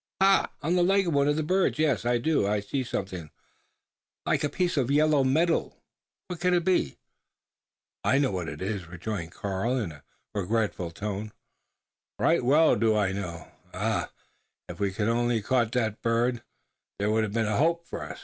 "Ha! on the leg of one of the birds? Yes; I do see something like a piece of yellow metal what can it be?" "I know what it is!" rejoined Karl, in a regretful tone; "right well do I know. Ah! if we could only have caught that bird, there would have been a hope for us.